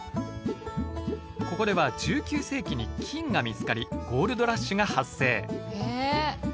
ここでは１９世紀に金が見つかりゴールドラッシュが発生。